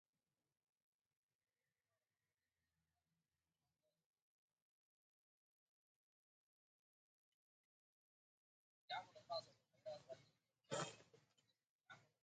وقد أشتهر بعدله بين الناس